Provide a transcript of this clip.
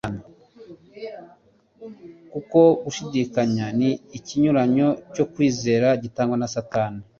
Kuko gushidikanya ni ikinyuranyo cyo kwizera gitangwa na Satani.